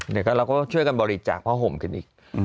เดี๋ยวเราก็ช่วยกันบริจาคผ้าห่มกันอีก